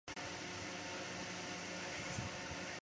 于是德宗令二人分别主事。